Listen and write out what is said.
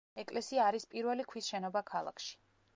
ეკლესია არის პირველი ქვის შენობა ქალაქში.